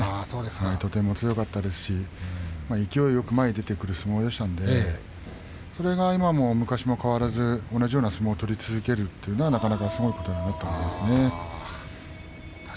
とても強かったですし勢いよく前に出てくる相撲でしたので、それが今も昔も変わらず同じような相撲を取り続けるというのはなかなかすごいことかなと思いますね。